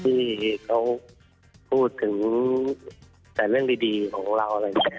ที่เขาพูดถึงการเรื่องบริดีของเรา